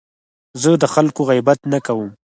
زه د خلکو غیبت نه کوم.